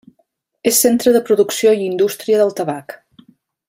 És centre de producció i indústria del tabac.